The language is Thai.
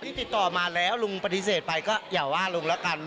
ติดต่อมาแล้วลุงปฏิเสธไปก็อย่าว่าลุงแล้วกัน